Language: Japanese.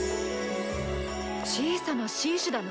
小さな紳士だな！